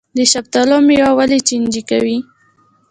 د شفتالو میوه ولې چینجي کوي؟